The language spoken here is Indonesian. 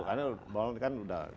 karena mall kan sudah